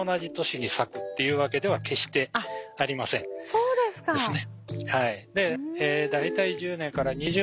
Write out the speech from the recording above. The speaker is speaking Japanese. そうですか。